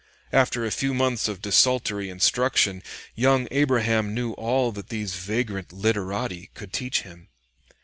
After a few months of desultory instruction young Abraham knew all that these vagrant literati could teach him.